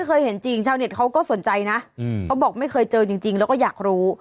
เคยเห็นจริงชาวเน็ตเขาก็สนใจนะเขาบอกไม่เคยเจอจริงแล้วก็อยากรู้